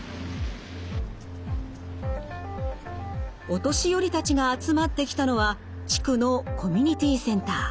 お年寄りたちが集まってきたのは地区のコミュニティーセンター。